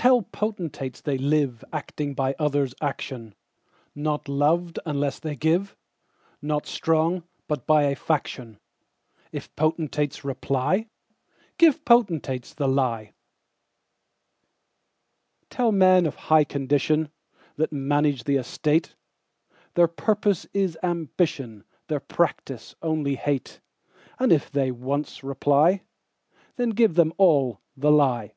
Tell potentates, they liveActing by others' action; Not loved unless they give, Not strong, but by a faction:If potentates reply, Give potentates the lie. Tell men of high condition, That manage the estate, Their purpose is ambition, Their practice only hate:And if they once reply, Then give them all the lie.